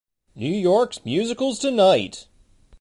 New York's Musicals Tonight!